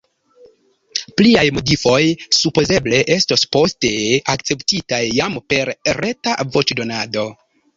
Pliaj modifoj supozeble estos poste akceptitaj jam per reta voĉdonado.